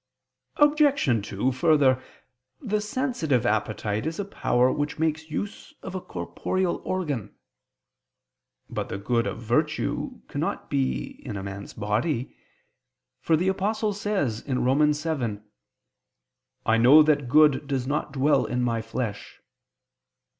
Obj. 2: Further, the sensitive appetite is a power which makes use of a corporeal organ. But the good of virtue cannot be in man's body: for the Apostle says (Rom. 7): "I know that good does not dwell in my flesh."